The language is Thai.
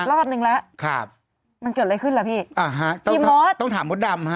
เล่าอันนึงแล้วมันเกิดอะไรขึ้นหรือพี่พี่มอดต้องถามมดดำ